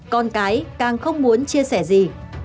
con cái càng không muốn chia sẻ gì